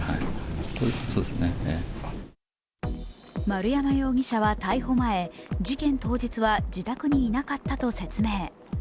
丸山容疑者は逮捕前、事件当日は自宅にいなかったと説明。